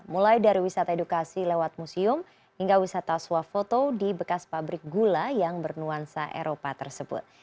mulai dari wisata edukasi lewat museum hingga wisata swafoto di bekas pabrik gula yang bernuansa eropa tersebut